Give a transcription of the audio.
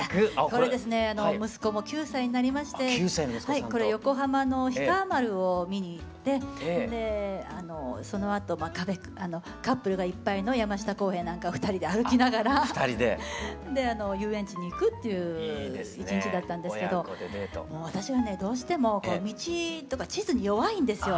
これですね息子も９歳になりましてこれ横浜の氷川丸を見に行ってそのあとカップルがいっぱいの山下公園なんかを二人で歩きながら遊園地に行くっていう一日だったんですけど私はねどうしても道とか地図に弱いんですよ。